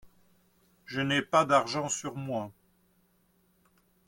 Je n'ai pas d'argent sur moi.